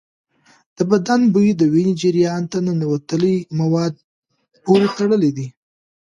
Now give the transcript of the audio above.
د بدن بوی د وینې جریان ته ننوتلي مواد پورې تړلی دی.